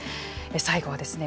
最後はですね